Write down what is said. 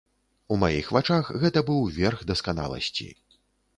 У маіх вачах гэта быў верх дасканаласці.